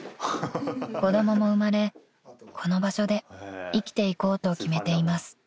［子供も生まれこの場所で生きていこうと決めています］